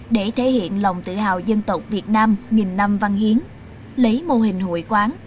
để thể hiện lòng tự hào dân tộc việt nam nghìn năm văn hiến lấy mô hình hội quán